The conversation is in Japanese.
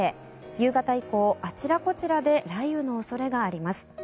夕方以降、あちらこちらで雷雨の恐れがあります。